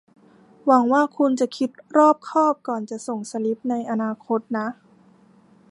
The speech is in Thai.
หวังว่าคุณจะคิดรอบคอบก่อนจะส่งสลิปในอนาคตนะ